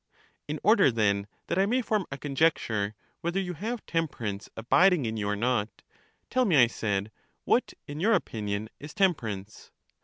In order, then, that I may form a conjecture whether you have temperance abiding in you or not, tell me, I said, what, in your opinion, is Temperance?